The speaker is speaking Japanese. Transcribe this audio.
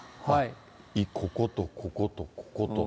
こことこことここと。